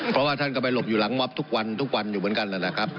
เพราะว่าท่านก็ไปหลบอยู่หลังม็อบทุกวันทุกวันอยู่เหมือนกันนะครับ